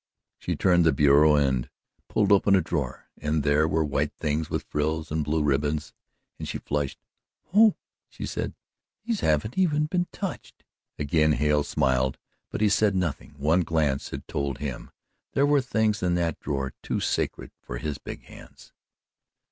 She turned to the bureau and pulled open a drawer. In there were white things with frills and blue ribbons and she flushed. "Oh," she said, "these haven't even been touched." Again Hale smiled but he said nothing. One glance had told him there were things in that drawer too sacred for his big hands.